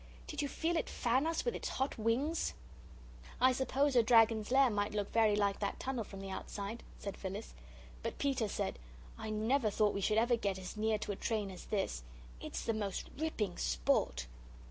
Did you feel it fan us with its hot wings?" "I suppose a dragon's lair might look very like that tunnel from the outside," said Phyllis. But Peter said: "I never thought we should ever get as near to a train as this. It's the most ripping sport!"